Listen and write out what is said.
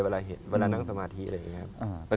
เวลาเห็นเวลานั่งสมาธิอะไรอย่างนี้